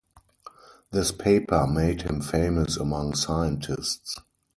This paper made him famous among scientists.